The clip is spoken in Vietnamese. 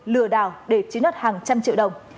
lừa đảo để chính đất hàng trăm triệu đồng